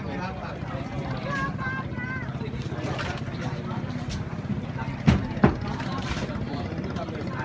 นู้ใส่พิมพ์สีขาว